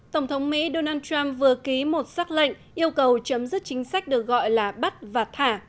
tổng thống mỹ donald trump vừa ký một xác lệnh yêu cầu chấm dứt chính sách được gọi là bắt và thả